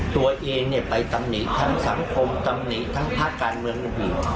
ตัวเองเนี่ยไปตำหนิทั้งสังคมตำหนิทั้งพักการเมืองนั้นอื่น